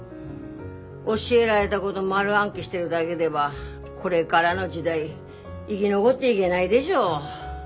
教えられたごど丸暗記してるだげではこれがらの時代生ぎ残っていけないでしょ。